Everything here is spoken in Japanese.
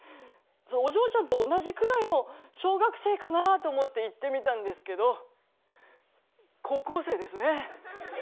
お嬢ちゃんと同じくらいの小学生かなと思って行ってみたんですけど高校生ですね。